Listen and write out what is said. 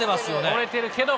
折れてるけど。